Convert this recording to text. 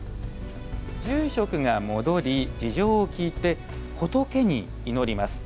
住職が戻り事情を聴いて仏に祈ります。